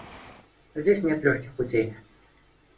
Здесь нет легких путей.